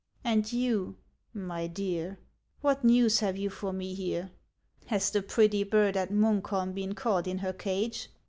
And you, my dear, — what news have you for me here ? Has the pretty bird at Munkholm been caught in her cage